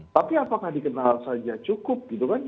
tapi apakah dikenal saja cukup gitu kan